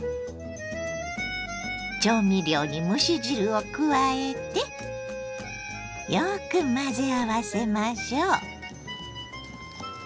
調味料に蒸し汁を加えてよく混ぜ合わせましょう。